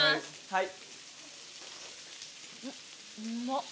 はい。